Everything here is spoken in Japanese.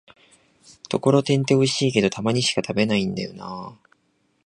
ところてんっておいしいけど、たまにしか食べないんだよなぁ